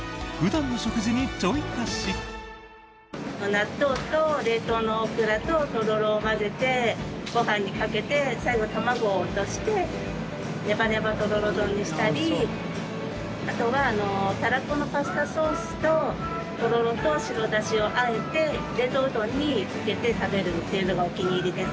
納豆と冷凍のオクラととろろを混ぜてご飯にかけて最後、卵を落としてネバネバとろろ丼にしたりあとはタラコのパスタソースととろろと白だしをあえて冷凍うどんにかけて食べるっていうのがお気に入りです。